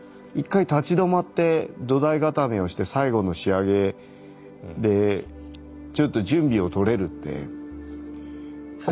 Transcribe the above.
一回立ち止まって土台固めをして最後の仕上げでちょっと準備を取れるって怖いですよね。